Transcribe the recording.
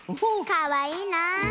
かわいいなあ。